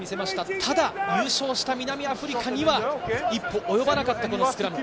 ただ優勝した南アフリカには、一歩及ばなかったスクラム。